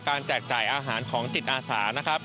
แจกจ่ายอาหารของจิตอาสานะครับ